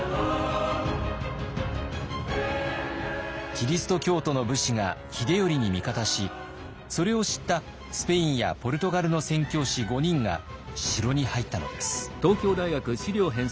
キリスト教徒の武士が秀頼に味方しそれを知ったスペインやポルトガルの宣教師５人が城に入ったのです。